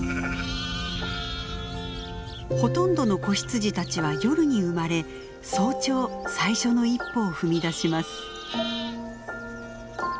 ほとんどの子羊たちは夜に生まれ早朝最初の一歩を踏み出します。